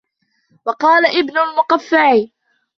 وَقَالَ ابْنُ الْمُقَفَّعِ